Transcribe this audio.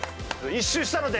１周したので。